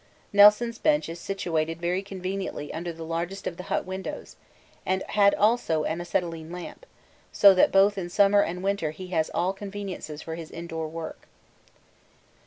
Nelson's bench is situated very conveniently under the largest of the hut windows, and had also an acetylene lamp, so that both in summer and winter he has all conveniences for his indoor work.